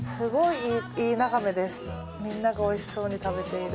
みんなが美味しそうに食べている。